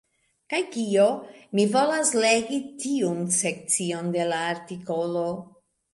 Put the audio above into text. Kaj kio? Mi volas legi tiun sekcion de la artikolo.